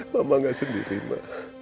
mama gak sendiri ma